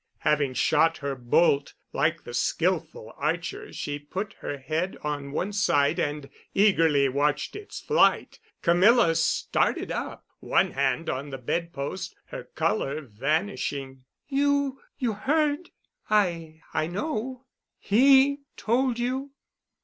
Having shot her bolt, like the skillful archer she put her head on one side and eagerly watched its flight. Camilla started up, one hand on the bed post, her color vanishing. "You—you heard?" "I—I know." "He told you."